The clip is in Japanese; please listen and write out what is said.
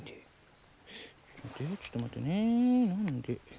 ちょっと待てよ。